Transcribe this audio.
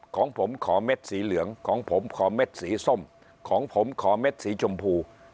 ของผมขอเม็ดสีเหลืองของผมขอเม็ดสีส้มของผมขอเม็ดสีชมพู